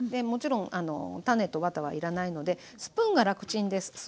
もちろん種とワタは要らないのでスプーンが楽ちんです。